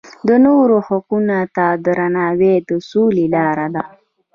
د نورو حقونو ته درناوی د سولې لاره ده.